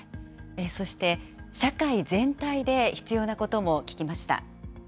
そして、社会全体で必要なことも聞きました。